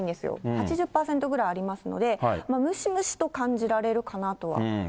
８０％ぐらいありますので、ムシムシと感じられるかなとは思います。